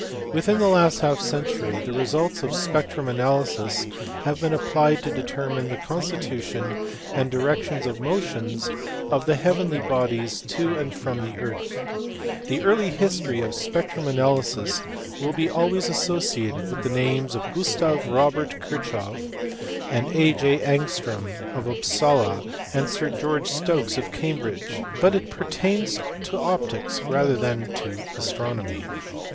Within the last half century the results of spectrum analysis have been applied to determine the constitution, and directions of motions of the heavenly bodies to and from the earth. The early history of spectrum analysis will be always associated with the names of Gustav Robert Kirclihoff (see below, p. 495), of A. J. Angstrom, of Upsala, and of Sir George Stokes of Cambridge (see pp. 478, 496), but it pertains to optics rather than to astronomy.